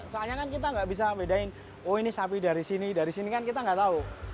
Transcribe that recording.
soalnya kan kita nggak bisa bedain oh ini sapi dari sini dari sini kan kita nggak tahu